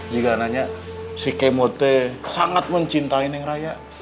jika nanya si kemote sangat mencintai yang raya